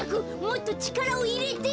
もっとちからをいれて。